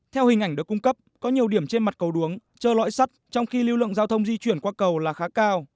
theo hình ảnh được cung cấp có nhiều điểm trên mặt cầu đuống chơ lõi sắt trong khi lưu lượng giao thông di chuyển qua cầu là khá cao